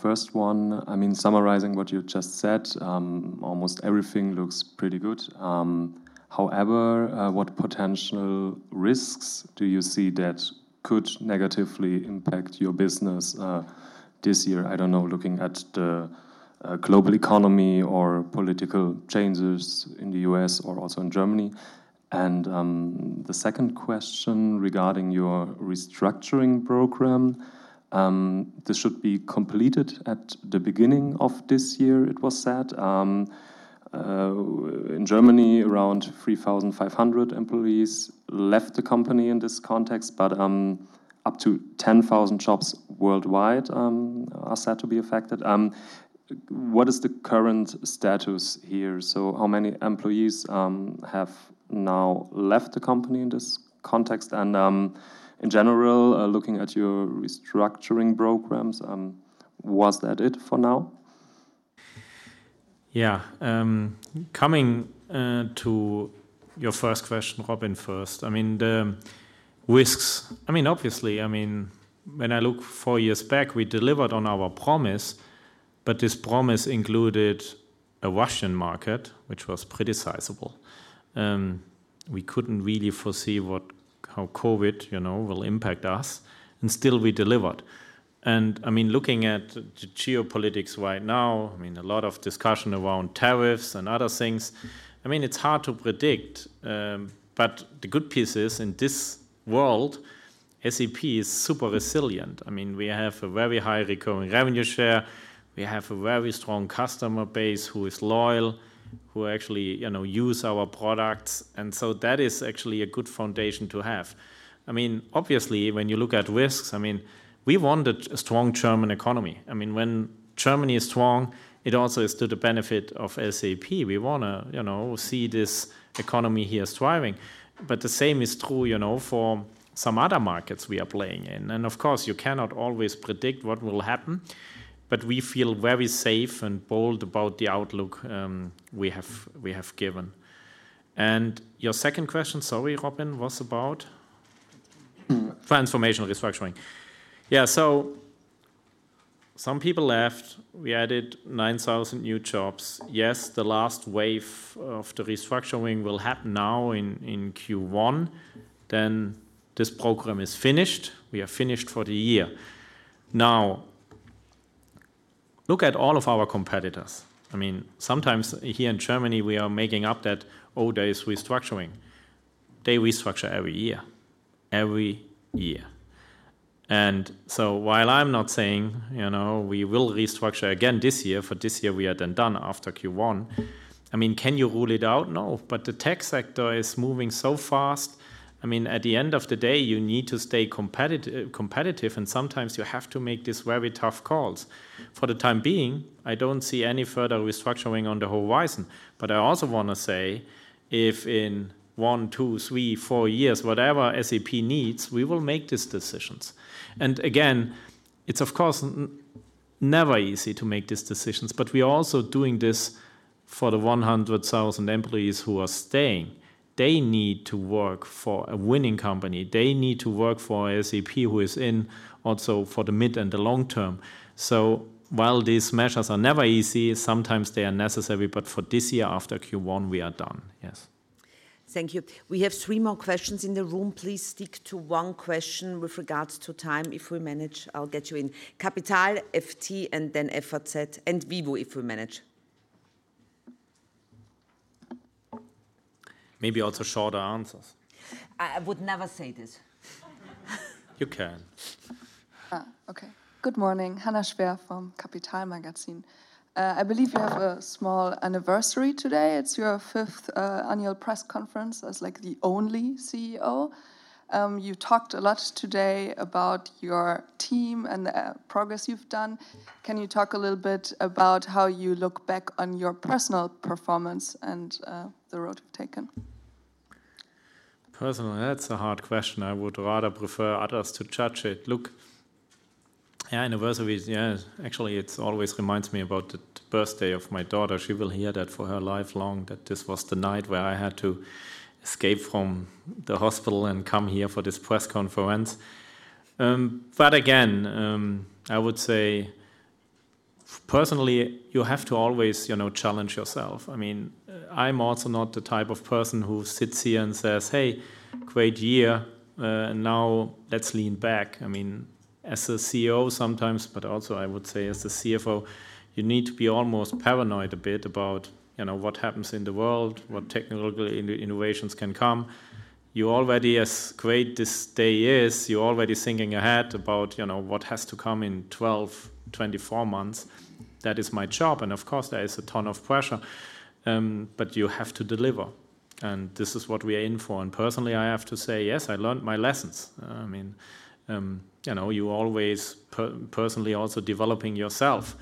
First one, I mean, summarizing what you just said, almost everything looks pretty good. However, what potential risks do you see that could negatively impact your business this year? I don't know, looking at the global economy or political changes in the U.S. or also in Germany. And the second question regarding your restructuring program, this should be completed at the beginning of this year, it was said. In Germany, around 3,500 employees left the company in this context, but up to 10,000 jobs worldwide are said to be affected. What is the current status here? So how many employees have now left the company in this context? And in general, looking at your restructuring programs, was that it for now? Yeah. Coming to your first question, Robin first, I mean, the risks, I mean, obviously, I mean, when I look four years back, we delivered on our promise, but this promise included a Russian market, which was pretty sizable. We couldn't really foresee how COVID will impact us. And still, we delivered. And I mean, looking at the geopolitics right now, I mean, a lot of discussion around tariffs and other things. I mean, it's hard to predict. But the good piece is in this world, SAP is super resilient. I mean, we have a very high recurring revenue share. We have a very strong customer base who is loyal, who actually use our products. So that is actually a good foundation to have. I mean, obviously, when you look at risks, I mean, we want a strong German economy. I mean, when Germany is strong, it also is to the benefit of SAP. We want to see this economy here thriving. The same is true for some other markets we are playing in. Of course, you cannot always predict what will happen, but we feel very safe and bold about the outlook we have given. Your second question, sorry, Robin, was about transformation restructuring. Yeah. So some people left. We added 9,000 new jobs. Yes, the last wave of the restructuring will happen now in Q1. Then this program is finished. We are finished for the year. Now, look at all of our competitors. I mean, sometimes here in Germany, we are making up that old adage restructuring. They restructure every year. Every year. And so while I'm not saying we will restructure again this year, for this year we are done after Q1, I mean, can you rule it out? No. But the tech sector is moving so fast. I mean, at the end of the day, you need to stay competitive. And sometimes you have to make these very tough calls. For the time being, I don't see any further restructuring on the horizon. But I also want to say, if in one, two, three, four years, whatever SAP needs, we will make these decisions. And again, it's, of course, never easy to make these decisions. But we are also doing this for the 100,000 employees who are staying. They need to work for a winning company. They need to work for SAP, who is in also for the mid and the long term. So while these measures are never easy, sometimes they are necessary. But for this year, after Q1, we are done. Yes. Thank you. We have three more questions in the room. Please stick to one question with regards to time. If we manage, I'll get you in. Capital, FT, and then FAZ, and Vivo, if we manage. Maybe also shorter answers. I would never say this. You can. Okay. Good morning. Hannah Schwär from Capital magazine. I believe you have a small anniversary today. It's your fifth annual press conference as the only CEO. You talked a lot today about your team and the progress you've done. Can you talk a little bit about how you look back on your personal performance and the road you've taken? Personally, that's a hard question. I would rather prefer others to judge it. Look, yeah, anniversary, actually, it always reminds me about the birthday of my daughter. She will hear that for her lifelong that this was the night where I had to escape from the hospital and come here for this press conference. But again, I would say, personally, you have to always challenge yourself. I mean, I'm also not the type of person who sits here and says, "Hey, great year. And now let's lean back." I mean, as a CEO sometimes, but also I would say as a CFO, you need to be almost paranoid a bit about what happens in the world, what technological innovations can come. You already, as great as this day is, you're already thinking ahead about what has to come in 12, 24 months. That is my job. And of course, there is a ton of pressure. But you have to deliver. And this is what we are in for. And personally, I have to say, yes, I learned my lessons. I mean, you always personally also developing yourself.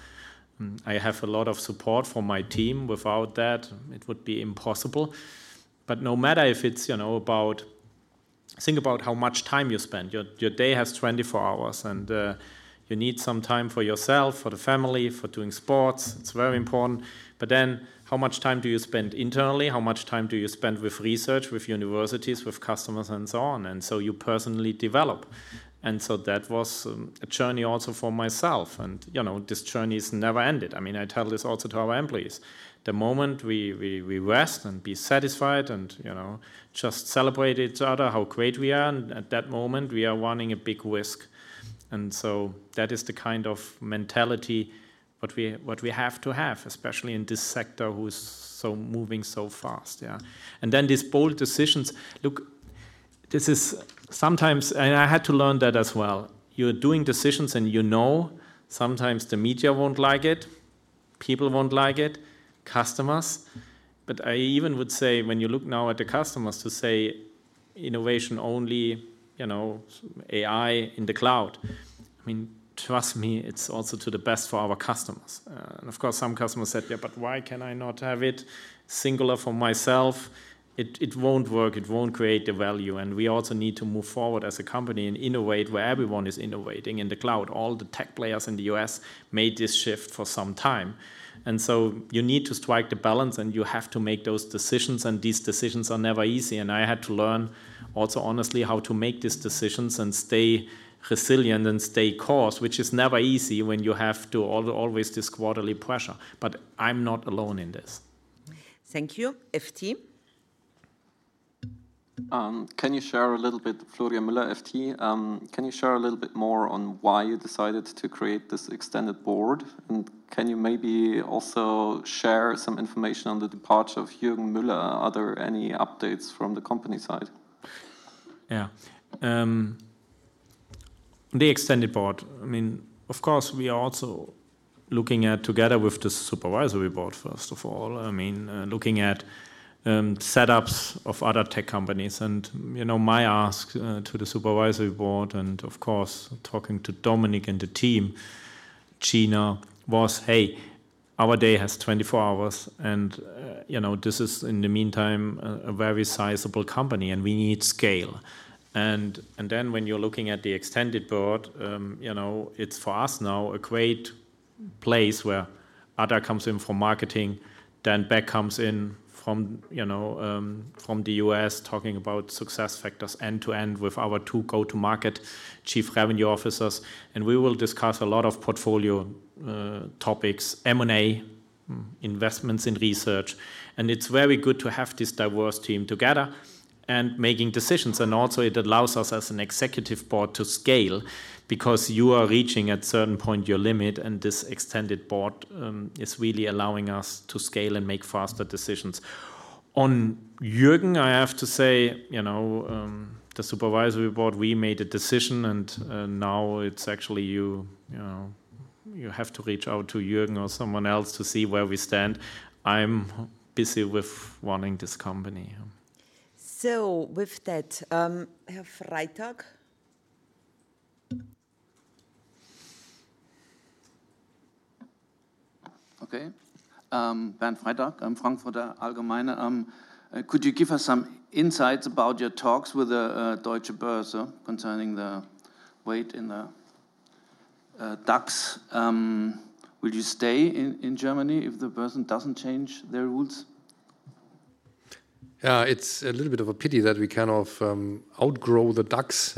I have a lot of support from my team. Without that, it would be impossible. But no matter if it's about think about how much time you spend. Your day has 24 hours. And you need some time for yourself, for the family, for doing sports. It's very important. But then how much time do you spend internally? How much time do you spend with research, with universities, with customers, and so on? And so you personally develop. And so that was a journey also for myself. And this journey is never ended. I mean, I tell this also to our employees. The moment we rest and be satisfied and just celebrate each other, how great we are, at that moment, we are running a big risk. And so that is the kind of mentality what we have to have, especially in this sector who is moving so fast. Yeah. And then these bold decisions. Look, this is sometimes and I had to learn that as well. You're doing decisions and you know sometimes the media won't like it, people won't like it, customers. But I even would say when you look now at the customers to say innovation only, AI in the cloud, I mean, trust me, it's also to the best for our customers. Of course, some customers said, "Yeah, but why can I not have it singular for myself? It won't work. It won't create the value." We also need to move forward as a company and innovate where everyone is innovating in the cloud. All the tech players in the U.S. made this shift for some time. So you need to strike the balance and you have to make those decisions. These decisions are never easy. I had to learn also, honestly, how to make these decisions and stay resilient and stay the course, which is never easy when you always have this quarterly pressure. I'm not alone in this. Thank you. FT. Can you share a little bit, Florian Müller, FT? Can you share a little bit more on why you decided to create this extended board? And can you maybe also share some information on the departure of Jürgen Müller? Are there any updates from the company side? Yeah. The extended board, I mean, of course, we are also looking at, together with the supervisory board, first of all, I mean, looking at setups of other tech companies. My ask to the supervisory board and, of course, talking to Dominik and the team, Gina was, "Hey, our day has 24 hours. And this is, in the meantime, a very sizable company and we need scale." Then when you're looking at the extended board, it's for us now a great place where Ada comes in from marketing, then Jan comes in from the U.S. talking about SuccessFactors end to end with our two go-to-market Chief Revenue Officers. We will discuss a lot of portfolio topics, M&A, investments in research. It's very good to have this diverse team together and making decisions. Also it allows us as an executive board to scale because you are reaching at a certain point your limit. This extended board is really allowing us to scale and make faster decisions. On Jürgen, I have to say, the supervisory board, we made a decision. Now it's actually you have to reach out to Jürgen or someone else to see where we stand. I'm busy with running this company. With that, Herr Freytag. Okay. Bernd Freytag, I'm Frankfurter Allgemeine. Could you give us some insights about your talks with the Deutsche Börse concerning the weight in the DAX? Will you stay in Germany if the person doesn't change their rules? Yeah. It's a little bit of a pity that we kind of outgrow the DAX.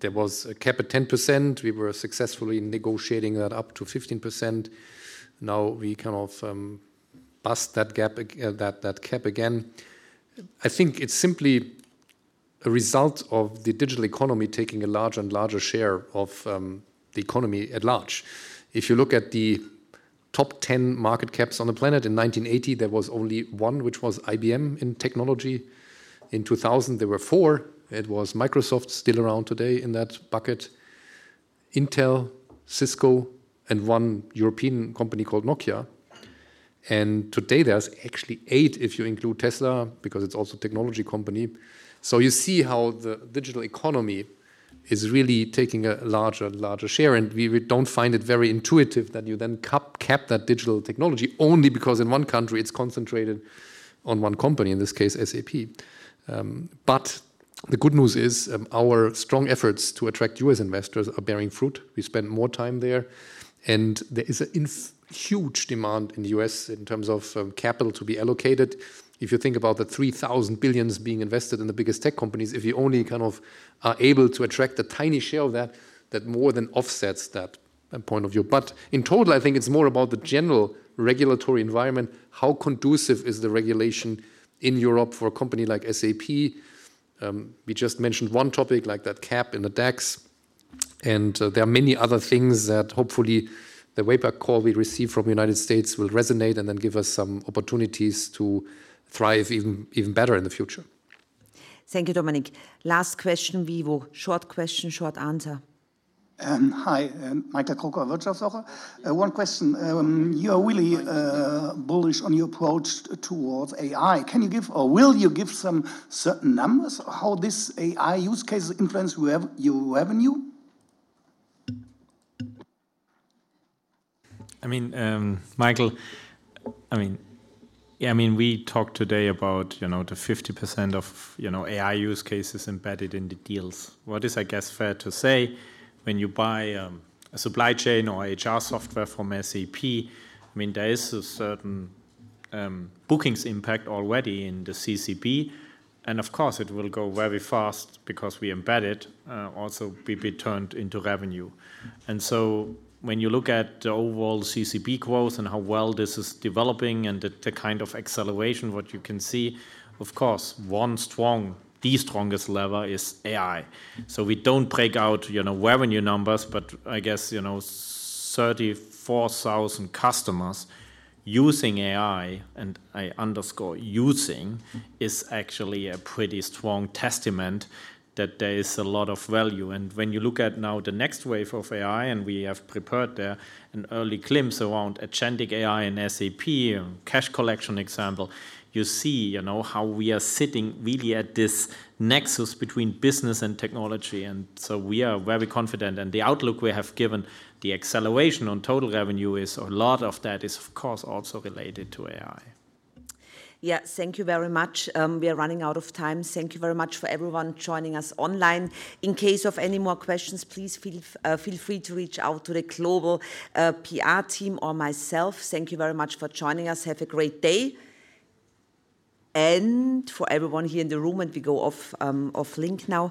There was a cap at 10%. We were successfully negotiating that up to 15%. Now we kind of bust that cap again. I think it's simply a result of the digital economy taking a larger and larger share of the economy at large. If you look at the top 10 market caps on the planet in 1980, there was only one, which was IBM in technology. In 2000, there were four. It was Microsoft still around today in that bucket, Intel, Cisco, and one European company called Nokia, and today there's actually eight if you include Tesla because it's also a technology company, so you see how the digital economy is really taking a larger and larger share, and we don't find it very intuitive that you then cap that digital technology only because in one country it's concentrated on one company, in this case, SAP. But the good news is our strong efforts to attract U.S. investors are bearing fruit. We spend more time there. And there is a huge demand in the U.S. in terms of capital to be allocated. If you think about the $3,000 billion being invested in the biggest tech companies, if you only kind of are able to attract a tiny share of that, that more than offsets that point of view. But in total, I think it's more about the general regulatory environment. How conducive is the regulation in Europe for a company like SAP? We just mentioned one topic like that cap in the DAX. And there are many other things that hopefully the wake-up call we receive from the United States will resonate and then give us some opportunities to thrive even better in the future. Thank you, Dominik. Last question, Vivo. Short question, short answer. Hi, Michael Kroker, WirtschaftsWoche. One question. You are really bullish on your approach towards AI. Can you give or will you give some certain numbers on how this AI use case influences your revenue? I mean, Michael, I mean, yeah, I mean, we talked today about the 50% of AI use cases embedded in the deals. What is, I guess, fair to say when you buy a supply chain or HR software from SAP? I mean, there is a certain bookings impact already in the CCB. And of course, it will go very fast because we embedded also be turned into revenue. And so when you look at the overall CCB growth and how well this is developing and the kind of acceleration what you can see, of course, one strong, the strongest lever is AI. So we don't break out revenue numbers, but I guess 34,000 customers using AI, and I underscore using, is actually a pretty strong testament that there is a lot of value, and when you look at now the next wave of AI, and we have prepared there an early glimpse around agentic AI and SAP cash collection example, you see how we are sitting really at this nexus between business and technology, and so we are very confident, and the outlook we have given, the acceleration on total revenue is a lot of that is, of course, also related to AI. Yeah. Thank you very much. We are running out of time. Thank you very much for everyone joining us online. In case of any more questions, please feel free to reach out to the global PR team or myself. Thank you very much for joining us. Have a great day, and for everyone here in the room, and we go off link now.